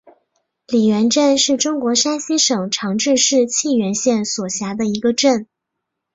李元镇是中国山西省长治市沁源县所辖的一个镇。